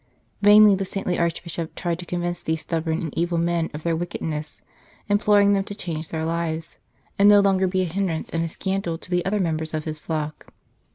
Vainly the saintly Archbishop tried to convince these stubborn and evil men of their wickedness, imploring them to change their lives, and no longer be a hindrance and a scandal to the other members of his flock.